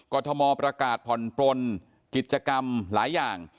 ทมประกาศผ่อนปลนกิจกรรมหลายอย่าง